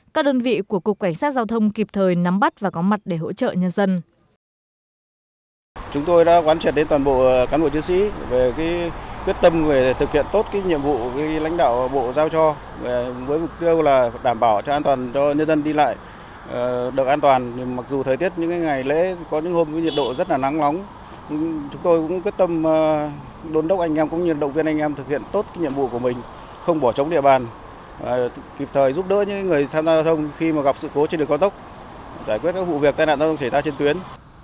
các đơn vị của cục cảnh sát giao thông kịp thời nắm bắt và có mặt để hỗ trợ nhân dân